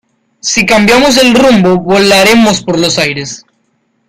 si cambiamos el rumbo, volaremos por los aires.